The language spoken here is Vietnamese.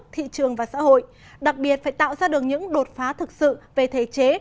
tổng và xã hội đặc biệt phải tạo ra được những đột phá thực sự về thể chế